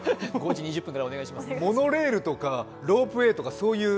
モノレールとかロープウェイとか、そういう？